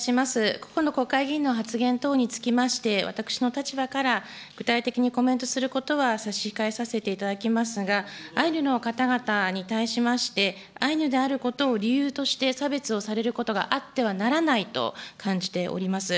個々の国会議員の発言等に対しまして、私の立場から具体的にコメントすることは差し控えさせていただきますが、アイヌの方々に対しまして、アイヌであることを理由として差別をされることがあってはならないと感じております。